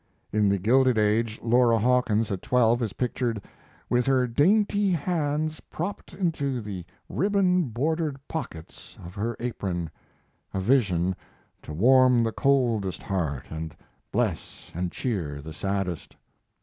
In The Gilded Age Laura Hawkins at twelve is pictured "with her dainty hands propped into the ribbon bordered pockets of her apron... a vision to warm the coldest heart and bless and cheer the saddest."